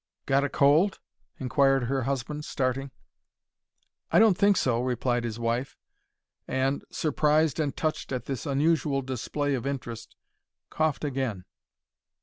"Got a cold?" inquired her husband, starting. "I don't think so," replied his wife, and, surprised and touched at this unusual display of interest, coughed again.